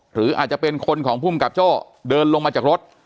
หรืออาจจะเป็นคนของภูมิกับโจ้เดินลงมาจากรถ